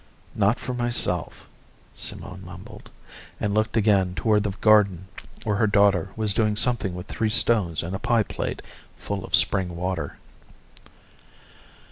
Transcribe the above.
"Not for myself," Simone mumbled, and looked again toward the garden where her daughter was doing something with three stones and a pie plate full of spring water.